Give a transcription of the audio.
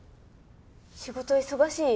仕事忙しい？